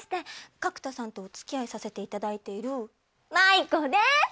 角田さんとお付き合いさせていただいているマイコです！